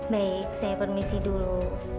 baik saya permisi dulu